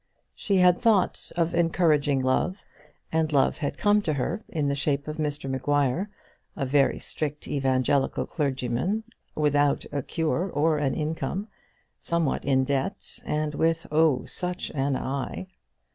She had thought of encouraging love, and love had come to her in the shape of Mr Maguire, a very strict evangelical clergyman, without a cure or an income, somewhat in debt, and with, oh! such an eye!